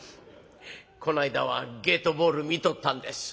この間はゲートボール見とったんです。